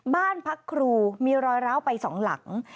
บ้านพักครูมีรอยร้าวไปสองหลัง